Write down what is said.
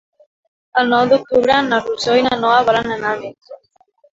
El nou d'octubre na Rosó i na Noa volen anar al metge.